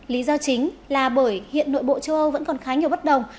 lý do chính là bởi hiện nội bộ châu âu vẫn còn khá nhiều bất đồng